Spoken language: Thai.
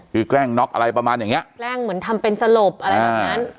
คือแกล้งน็อกอะไรประมาณอย่างเนี้ยแกล้งเหมือนทำเป็นสลบอะไรแบบนั้น